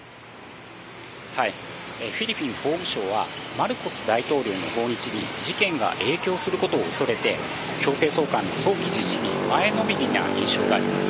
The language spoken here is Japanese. フィリピン法務省はマルコス大統領の訪日に事件が影響することを恐れて、強制送還の早期実施に前のめりな印象があります。